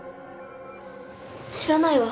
知らないわ。